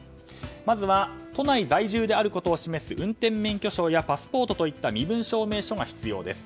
まずは都内在住であることを示す運転免許証やパスポートといった身分証明書が必要です。